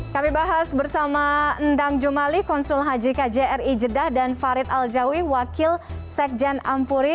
kami bahas bersama endang jumali konsul haji kjri jeddah dan farid aljawi wakil sekjen ampuri